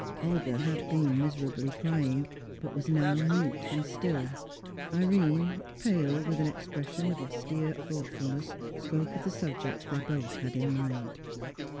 Olga had been miserably crying, but was now mute and still; Irene, pale, with an expression of austere thoughtfulness, spoke of the subject they both had in mind.